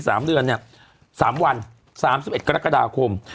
สามเดือนเนี่ยสามวันสามสิบเอ็ดกรกฎาคม